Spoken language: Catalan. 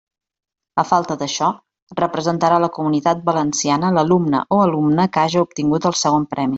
A falta d'això, representarà la Comunitat Valenciana l'alumne o l'alumna que haja obtingut el segon premi.